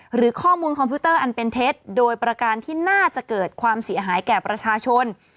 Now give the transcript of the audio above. หรือข้อมูลคอมพิวเตอร์อันเป็นเท็จโดยประการที่น่าจะเกิดความเสียหายแก่ประชาชน